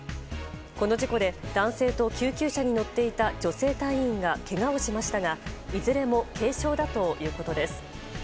この事故で男性と救急車に乗っていた女性隊員がけがをしましたがいずれも軽傷だということです。